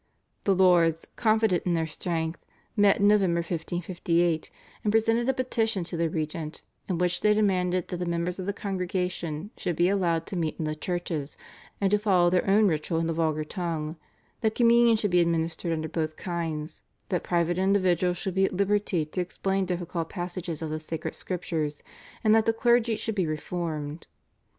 The lords, confident in their strength, met in November 1558, and presented a petition to the regent, in which they demanded that the members of the Congregation should be allowed to meet in the churches, and to follow their own ritual in the vulgar tongue, that Communion should be administered under both kinds, that private individuals should be at liberty to explain difficult passages of the Sacred Scriptures, and that the clergy should be reformed.